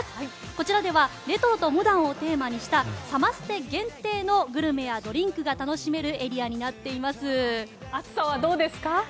こちらではレトロとモダンをテーマにしたサマステ限定のグルメやドリンクが楽しめる暑さはどうですか？